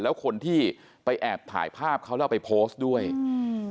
แล้วคนที่ไปแอบถ่ายภาพเขาแล้วไปโพสต์ด้วยอืม